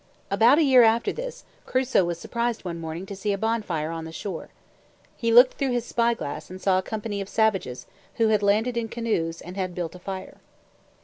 About a year after this, Crusoe was surprised one morning to see a bonfire on the shore. He looked through his spyglass and saw a company of savages who had landed in canoes and had built a fire.